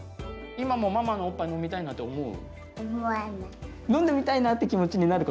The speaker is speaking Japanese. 今もさおっぱい飲みたいなって思う？